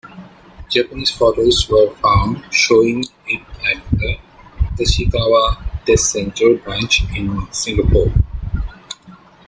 Japanese photos were found showing it at the Tachikawa test center branch in Singapore.